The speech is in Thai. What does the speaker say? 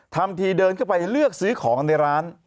ทำทีเดินเข้าไปเลือกซื้อของในร้าน